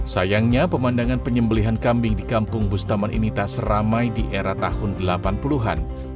sayangnya pemandangan penyembelihan kambing di kampung bustaman ini tak seramai di era tahun delapan puluh an